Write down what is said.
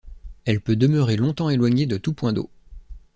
Elle peut demeurer longtemps éloignée de tout point d’eau.